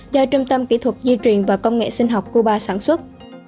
do trung tâm kỹ thuật di truyền và công nghệ sinh học cuba sản xuất